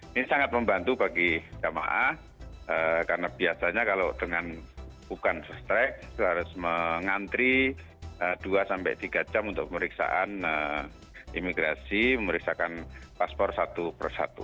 ini sangat membantu bagi jamaah karena biasanya kalau dengan bukan harus mengantri dua sampai tiga jam untuk pemeriksaan imigrasi memeriksakan paspor satu per satu